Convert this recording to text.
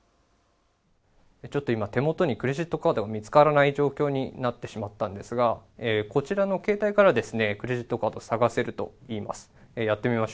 ちょっと、今手元にクレジットカードが見つからない状況になってしまったんですが、こちらの携帯からクレジットカード、探せるといいます。